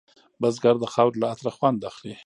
بزګر د خاورې له عطره خوند اخلي